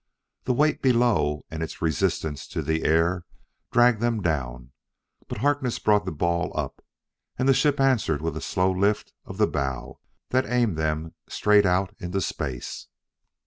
The weight below, and its resistance to the air, dragged them down, but Harkness brought the ball up, and the ship answered with a slow lift of the bow that aimed them straight out into space.